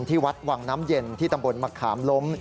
ที่วัดวังน้ำเย็นที่ตำบลมะขามล้ม